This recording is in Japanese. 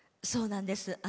そうなんです。